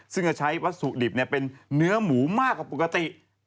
ซึ่งจะใช้วัตถุดิบเป็นเนื้อหมูมากกว่าปกติ